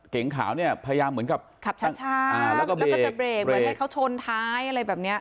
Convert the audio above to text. เก๋งขาวเนี่ยพยายามเหมือนกับขับช้าแล้วก็จะเบรกเหมือนให้เขาชนท้ายอะไรแบบเนี้ย